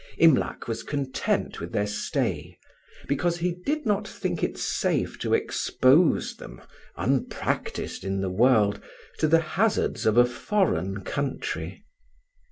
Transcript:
Imlac was content with their stay, because he did not think it safe to expose them, unpractised in the world, to the hazards of a foreign country.